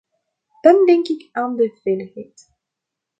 Dan denk ik aan de veiligheid.